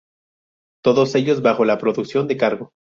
Todos ellos bajo la producción de Cargo.